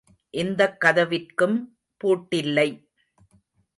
இந்தக் கதவிற்கும் பூட்டில்லை.